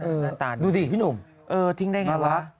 เออทิ้งได้ยังไงวะ